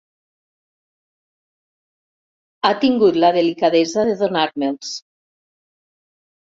Ha tingut la delicadesa de donar-me'ls.